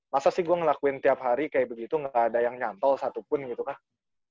masa sih gue ngelakuin tiap hari kayak begitu gak ada yang nyantol satupun gitu kan